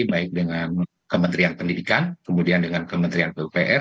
baik dengan kementerian pendidikan kemudian dengan kementerian pupr